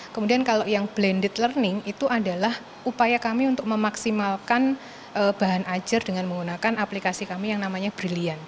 kemudian kalau yang blended learning itu adalah upaya kami untuk memaksimalkan bahan ajar dengan menggunakan aplikasi kami yang namanya brilliant